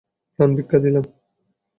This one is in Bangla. প্রাণ ভিক্ষা দিলাম।